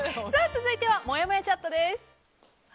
続いてはもやもやチャットです。